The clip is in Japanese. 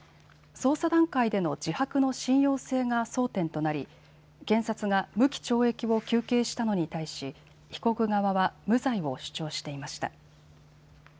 捜査段階での自白の信用性が争点となり検察が無期懲役を求刑したのに対し被告側は無罪を主張していました。